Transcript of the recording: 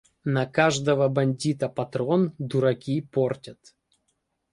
На каждава бандіта патрон, дуракі, портят.